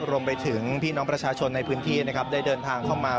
รวมไปถึงพี่น้องประชาชนในพื้นที่นะครับได้เดินทางเข้ามา